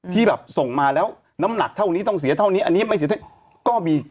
ที่แบบส่งมาแล้วน้ำหนักเท่านี้ต้องเสียเท่านี้อันนี้ไม่เสียเท่าก็มี